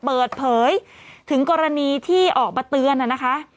เปิดเผยถึงกรณีที่ออกมาเตือนนะคะ